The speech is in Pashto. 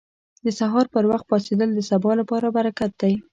• د سهار پر وخت پاڅېدل د سبا لپاره برکت دی.